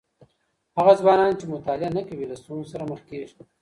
هغه ځوانان چي مطالعه نه کوي، له ستونزو سره مخ کیږي.